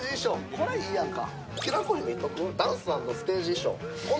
これ、いいやんか。